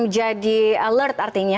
jadi alert artinya